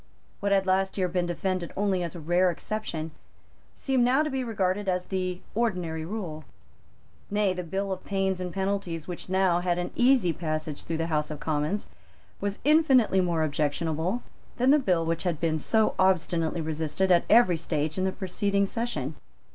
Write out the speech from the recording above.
What had last year been defended only as a rare exception seemed now to be regarded as the ordinary rule. Nay, the bill of pains and penalties which now had an easy passage through the House of Commons was infinitely more objectionable than the bill which had been so obstinately resisted at every stage in the preceding session.